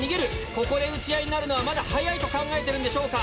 ここで撃ち合いになるのは早いと考えてるんでしょうか？